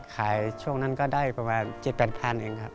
ขายช่วงนั้นก็ได้ประมาณ๗๐๐๐บาทเอง